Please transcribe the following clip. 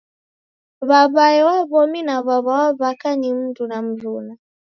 W'aw'ae wa w'omi na w'aw'a wa w'aka ni mndu na mruna.